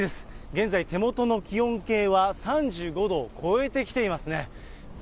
現在手元の気温計は３５度を超えてきていますね。